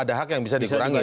ada hak yang bisa dikurangi